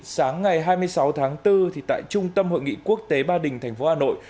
sáng ngày hai mươi sáu tháng bốn tại trung tâm hội nghị quốc tế ba đình thành phố hà nội